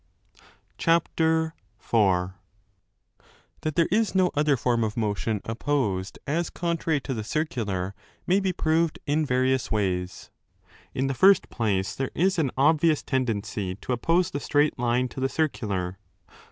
4 That there is no other form of motion opposed as contrary to the circular may be proved in various ways. In the first place, there is an obvious tendency to oppose the straight line to the circular.